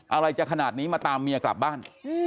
อะไรจะขนาดนี้มาตามเมียกลับบ้าน